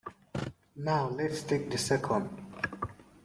Now let us take the second.